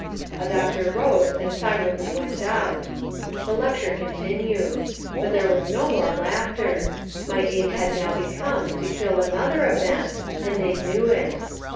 A doctor rose and silently went out. The lecture continued; but there was no more laughter; my aim had now become to kill another of them and they knew it.